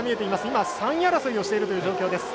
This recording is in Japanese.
今、３位争いをしているという状況です。